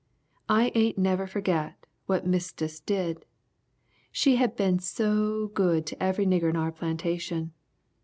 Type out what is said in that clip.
"I ain't never forget when Mistess died she had been so good to every nigger on our plantation.